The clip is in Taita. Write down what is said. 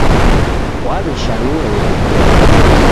Waw'eshanua iridia